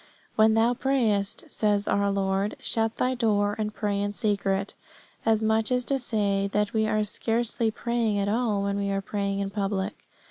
"When thou prayest," says our Lord, "shut thy door and pray in secret." As much as to say that we are scarcely praying at all when we are praying in public.